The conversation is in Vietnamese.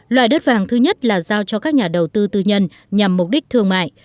loại đất vàng thứ nhất là giao cho các nhà đầu tư tư nhân nhằm mục đích thương mại